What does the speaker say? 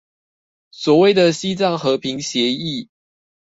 所謂的西藏和平協議